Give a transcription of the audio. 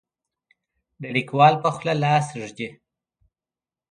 د لیکوال په خوله لاس ږدي.